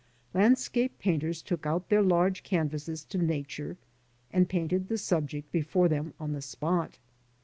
Landscape painters took out their large canvases to Nature, and painted the subject before them on the spot.